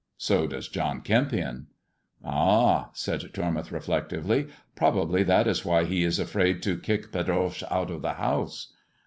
So does John Kempion !"" Ah !" said Tormouth reflectively, " probably that is why he is afraid to kick Pedroche out of the house."